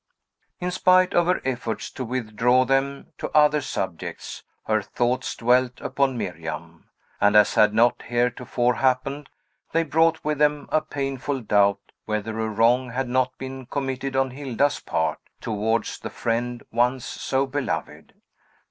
In spite of her efforts to withdraw them to other subjects, her thoughts dwelt upon Miriam; and, as had not heretofore happened, they brought with them a painful doubt whether a wrong had not been committed on Hilda's part, towards the friend once so beloved.